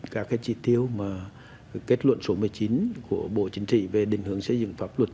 các chỉ tiêu mà kết luận số một mươi chín của bộ chính trị về định hướng xây dựng pháp luật